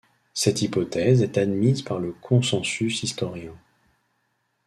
Cette hypothèse est admise par le consensus historien.